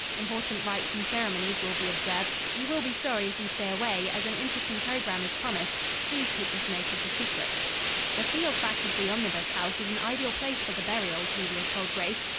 Important rites and ceremonies will be observed. You will be sorry if you stay away, as an interesting program is promised. Please keep this notice a secret." "The field back of the Omnibus House is an ideal place for the burial," Julia told Grace.